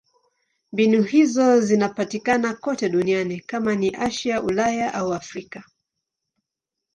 Mbinu hizo zinapatikana kote duniani: kama ni Asia, Ulaya au Afrika.